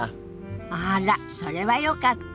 あらそれはよかった。